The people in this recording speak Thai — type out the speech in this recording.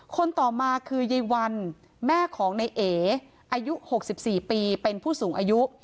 คนต่อมาคือยายวันแม่ของในเออายุ๖๔ปีเป็นผู้สูงอายุ